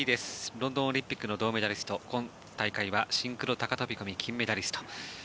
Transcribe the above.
ロンドンオリンピックの銅メダリストシンクロ高飛込金メダリスト